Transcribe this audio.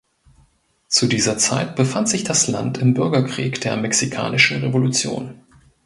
Zu dieser Zeit befand sich das Land im Bürgerkrieg der Mexikanischen Revolution.